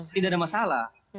tidak ada masalah